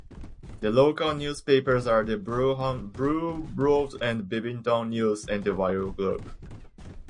The local newspapers are the "Bromborough and Bebington News" and the "Wirral Globe".